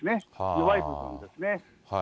弱い部分ですね。